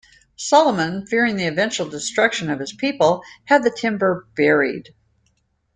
Solomon, fearing the eventual destruction of his people, had the timber buried.